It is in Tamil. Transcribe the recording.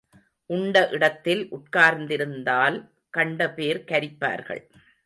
உண்ட இடத்தில் உட்கார்ந்திருந்தால் கண்ட பேர் கரிப்பார்கள்.